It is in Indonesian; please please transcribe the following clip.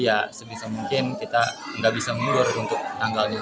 ya sebisa mungkin kita nggak bisa mundur untuk tanggalnya